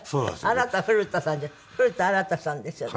「新太古田」さんじゃ古田新太さんですよね。